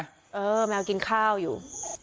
เออแมวกินข้าวอยู่